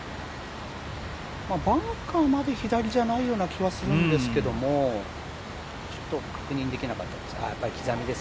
バンカーまで左じゃないような気はするんですけどもちょっと確認できなかったですね。